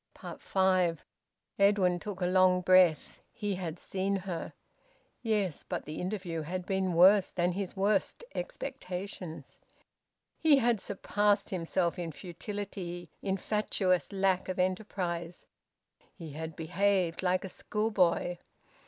FIVE. Edwin took a long breath. He had seen her! Yes, but the interview had been worse than his worst expectations. He had surpassed himself in futility, in fatuous lack of enterprise. He had behaved liked a schoolboy.